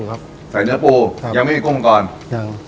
ครับใส่เนื้อปลูครับยังไม่มีกุ้งมังกร